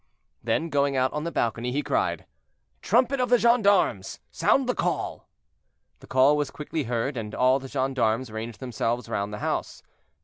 Then, going out on the balcony, he cried: "Trumpet of the gendarmes, sound the call." The call was quickly heard, and all the gendarmes ranged themselves round the house.